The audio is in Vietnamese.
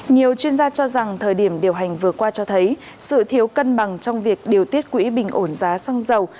nhiều chuyên gia cho rằng thời điểm điều hành vừa qua cho thấy sự thiếu cân bằng trong việc điều tiết quỹ bình ổn giá xăng dầu